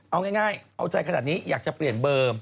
เอาง่ายเอาใจขนาดนี้อยากจะเปลี่ยนเบอร์